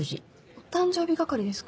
お誕生日係ですか？